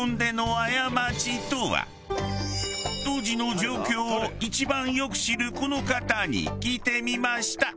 当時の状況を一番よく知るこの方に聞いてみました。